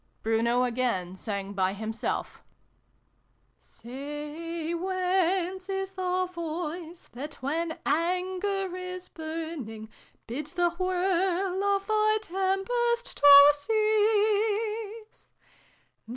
Bruno again sang by himself: " Say, whence is the voice that, when anger is burning, Bids the whirl of the tempest to cease